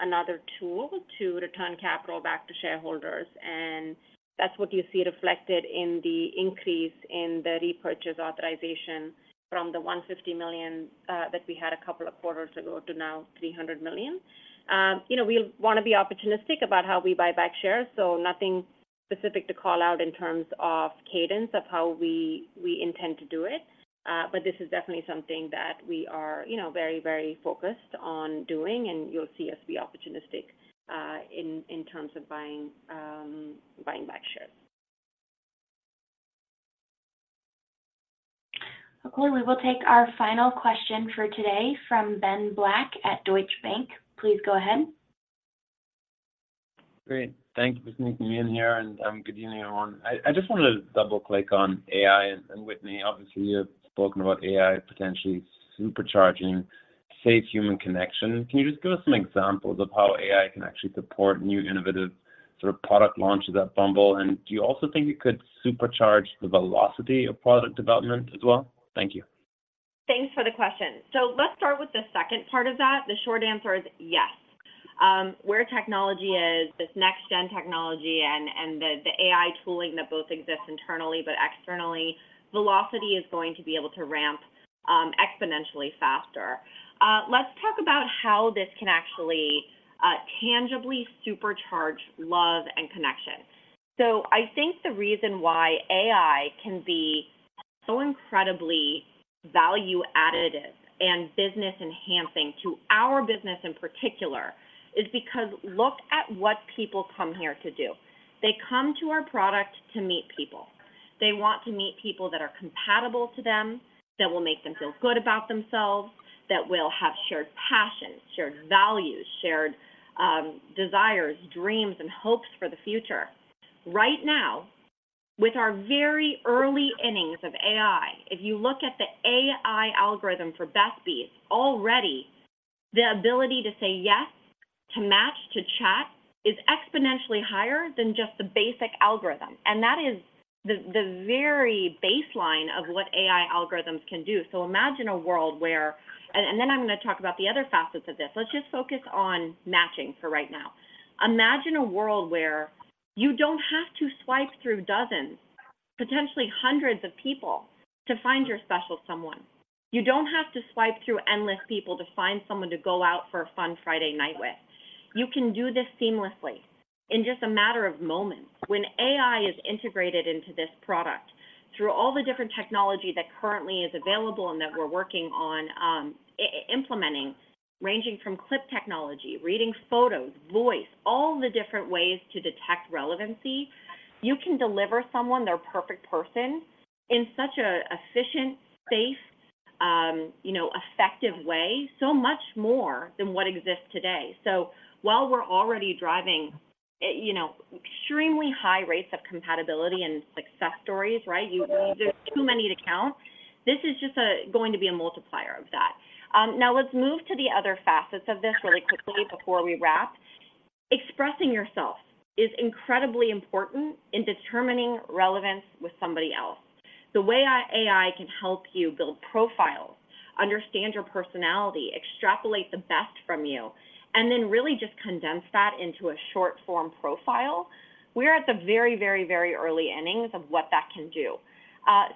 another tool to return capital back to shareholders, and that's what you see reflected in the increase in the repurchase authorization from the $150 million that we had a couple of quarters ago, to now $300 million. you know, we want to be opportunistic about how we buy back shares, so nothing specific to call out in terms of cadence of how we intend to do it, but this is definitely something that we are, you know, very, very focused on doing, and you'll see us be opportunistic in terms of buying back shares. Okay, we will take our final question for today from Ben Black at Deutsche Bank. Please go ahead. Great. Thank you for letting me in here, and, good evening, everyone. I just wanted to double-click on AI, and Whitney, obviously, you've spoken about AI potentially supercharging safe human connection. Can you just give us some examples of how AI can actually support new innovative sort of product launches at Bumble? And do you also think it could supercharge the velocity of product development as well? Thank you. Thanks for the question. So let's start with the second part of that. The short answer is yes. Where technology is, this next-gen technology and the AI tooling that both exists internally but externally, velocity is going to be able to ramp exponentially faster. Let's talk about how this can actually tangibly supercharge love and connection. So I think the reason why AI can be so incredibly value additive and business enhancing to our business in particular, is because look at what people come here to do. They come to our product to meet people. They want to meet people that are compatible to them, that will make them feel good about themselves, that will have shared passions, shared values, shared desires, dreams, and hopes for the future. Right now, with our very early innings of AI, if you look at the AI algorithm for Best Bees, already the ability to say yes, to match, to chat, is exponentially higher than just the basic algorithm. And that is the very baseline of what AI algorithms can do. So imagine a world where and then I'm going to talk about the other facets of this. Let's just focus on matching for right now. Imagine a world where you don't have to swipe through dozens, potentially hundreds of people, to find your special someone. You don't have to swipe through endless people to find someone to go out for a fun Friday night with. You can do this seamlessly in just a matter of moments. When AI is integrated into this product, through all the different technology that currently is available and that we're working on, implementing, ranging from clip technology, reading photos, voice, all the different ways to detect relevancy, you can deliver someone, their perfect person, in such an efficient, safe, you know, effective way, so much more than what exists today. So while we're already driving, you know, extremely high rates of compatibility and success stories, right? There's too many to count. This is just going to be a multiplier of that. Now let's move to the other facets of this really quickly before we wrap. Expressing yourself is incredibly important in determining relevance with somebody else. The way our AI can help you build profiles, understand your personality, extrapolate the best from you, and then really just condense that into a short-form profile, we're at the very, very, very early innings of what that can do.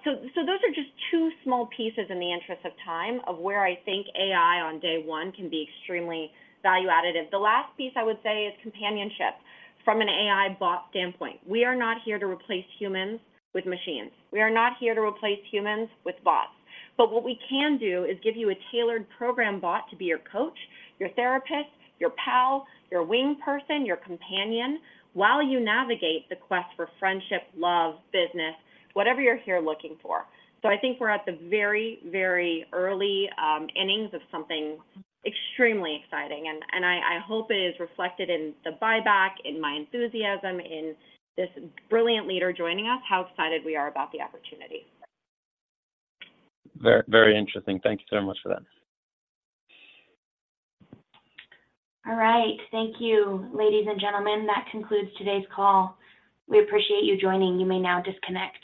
So, so those are just two small pieces in the interest of time, of where I think AI on day one can be extremely value additive. The last piece I would say is companionship from an AI bot standpoint. We are not here to replace humans with machines. We are not here to replace humans with bots. But what we can do is give you a tailored program bot to be your coach, your therapist, your pal, your wing person, your companion, while you navigate the quest for friendship, love, business, whatever you're here looking for. So I think we're at the very, very early innings of something extremely exciting, and I hope it is reflected in the buyback, in my enthusiasm, in this brilliant leader joining us, how excited we are about the opportunity. Very, very interesting. Thank you so much for that. All right. Thank you, ladies and gentlemen. That concludes today's call. We appreciate you joining. You may now disconnect.